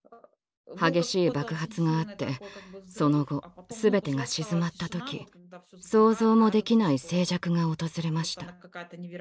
激しい爆発があってその後すべてが静まった時想像もできない静寂が訪れました。